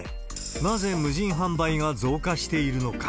なぜ無人販売が増加しているのか。